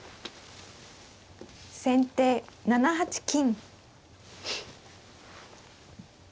先手７八金。